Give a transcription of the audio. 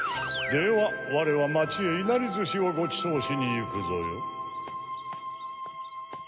ではわれはまちへいなりずしをごちそうしにいくぞよ。